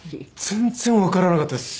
全然わからなかったです。